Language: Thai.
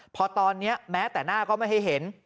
พอตอนนี้แม้แต่หน้าก็ไม่ให้เห็น